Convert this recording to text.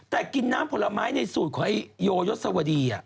แต่กินน้ำผลไม้ในสูตรของโยยศวดี